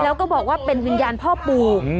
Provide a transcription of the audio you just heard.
แล้วก็บอกว่าเป็นวิญญาณพ่อปู่